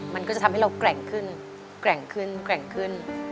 มันก็จะทำให้เราแกร่งขึ้นแกร่งขึ้นแกร่งขึ้น